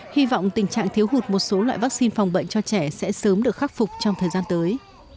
hy vọng tình trạng thiếu hụt một số loại vaccine phòng bệnh cho trẻ sẽ sớm được khắc phục trong thời gian tới